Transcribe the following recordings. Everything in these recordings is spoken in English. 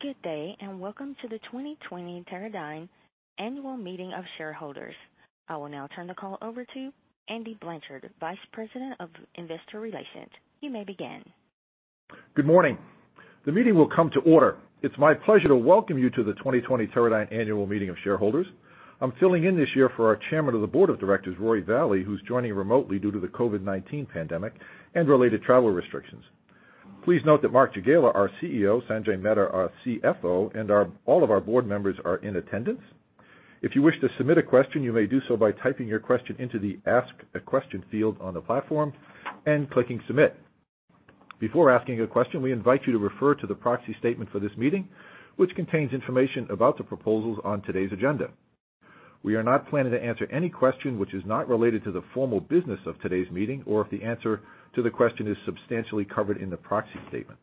Good day, and welcome to the 2020 Teradyne Annual Meeting of Shareholders. I will now turn the call over to Andy Blanchard, Vice President of Investor Relations. You may begin. Good morning. The meeting will come to order. It's my pleasure to welcome you to the 2020 Teradyne Annual Meeting of Shareholders. I'm filling in this year for our Chairman of the Board of Directors, Roy Vallee, who's joining remotely due to the COVID-19 pandemic and related travel restrictions. Please note that Mark Jagiela, our CEO, Sanjay Mehta, our CFO, and all of our board members are in attendance. If you wish to submit a question, you may do so by typing your question into the Ask a Question field on the platform and clicking Submit. Before asking a question, we invite you to refer to the proxy statement for this meeting, which contains information about the proposals on today's agenda. We are not planning to answer any question which is not related to the formal business of today's meeting, or if the answer to the question is substantially covered in the proxy statement.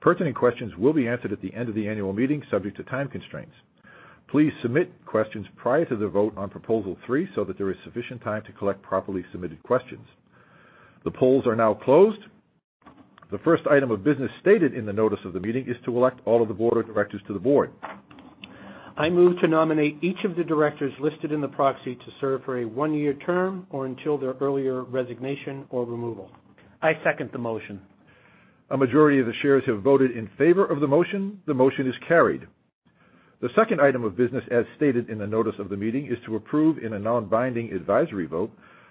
Pertinent questions will be answered at the end of the annual meeting, subject to time constraints. Please submit questions prior to the vote on Proposal Three so that there is sufficient time to collect properly submitted questions. The polls are now closed. The first item of business stated in the notice of the meeting is to elect all of the board of directors to the board. I move to nominate each of the directors listed in the proxy to serve for a one-year term or until their earlier resignation or removal. I second the motion. A majority of the shares have voted in favor of the motion. The motion is carried. The second item of business as stated in the notice of the meeting, is to approve in a non-binding advisory vote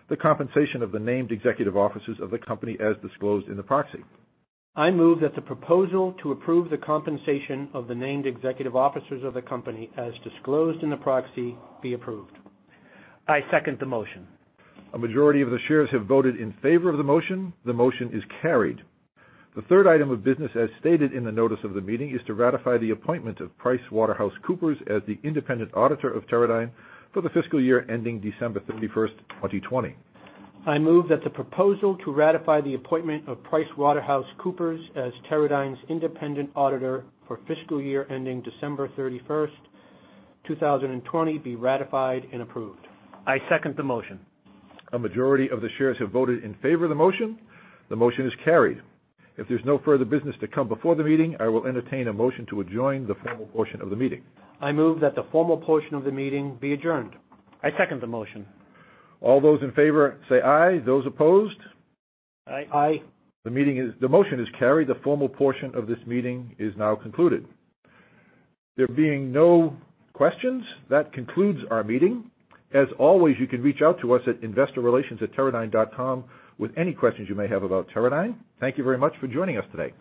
the compensation of the named executive officers of the company as disclosed in the proxy. I move that the proposal to approve the compensation of the named executive officers of the company as disclosed in the proxy be approved. I second the motion. A majority of the shares have voted in favor of the motion. The motion is carried. The third item of business, as stated in the notice of the meeting, is to ratify the appointment of PricewaterhouseCoopers as the independent auditor of Teradyne for the fiscal year ending December 31st, 2020. I move that the proposal to ratify the appointment of PricewaterhouseCoopers as Teradyne's independent auditor for fiscal year ending December 31st, 2020, be ratified and approved. I second the motion. A majority of the shares have voted in favor of the motion. The motion is carried. If there's no further business to come before the meeting, I will entertain a motion to adjourn the formal portion of the meeting. I move that the formal portion of the meeting be adjourned. I second the motion. All those in favor say aye. Those opposed? Aye. Aye. The motion is carried. The formal portion of this meeting is now concluded. There being no questions, that concludes our meeting. As always, you can reach out to us at investorrelations@teradyne.com with any questions you may have about Teradyne. Thank you very much for joining us today.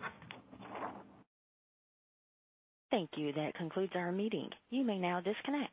Thank you. That concludes our meeting. You may now disconnect.